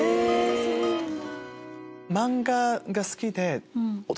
そうなんだ。